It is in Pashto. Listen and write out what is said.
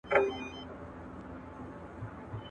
سر تر نوکه لکه زرکه ښایسته وه.